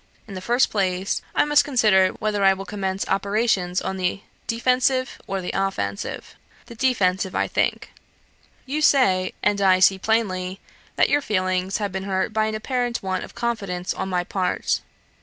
In the first place, I must consider whether I will commence operations on the defensive, or the offensive. The defensive, I think. You say, and I see plainly, that your feelings have been hurt by an apparent want of confidence on my part.